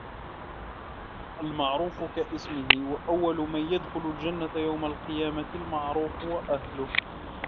الْمَعْرُوفُ كَاسْمِهِ وَأَوَّلُ مَنْ يَدْخُلُ الْجَنَّةَ يَوْمَ الْقِيَامَةِ الْمَعْرُوفُ وَأَهْلُهُ